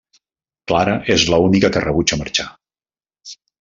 Clara és l'única que rebutja marxar.